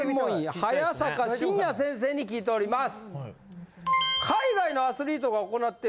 早坂信哉先生に聞いております。